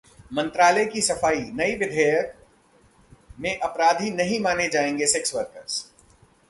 मंत्रालय की सफाई, नए विधेयक में अपराधी नहीं माने जाएंगे सेक्स वर्कर्स